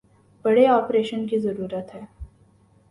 بڑے آپریشن کی ضرورت ہے